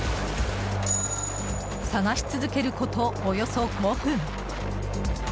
探し続けること、およそ５分。